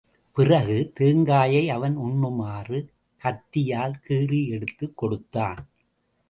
பிறகு, தேங்காயை அவன் உண்ணுமாறு கத்தியால் கீறி எடுத்துக் கொடுத்தான்.